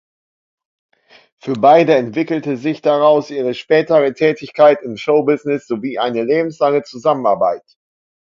Für beide entwickelte sich daraus ihre spätere Tätigkeit im Showbusiness sowie eine lebenslange Zusammenarbeit.